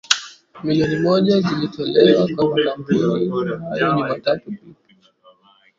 Milioni moja zilitolewa kwa makampuni hayo Jumatatu kulipa sehemu ya deni hilo